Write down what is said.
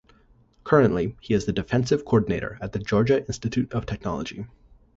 Currently, he is the defensive coordinator at the Georgia Institute of Technology.